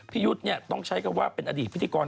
พี่ยุทธเนี่ยต้องใช้คำว่าเป็นอดีตพิธีกร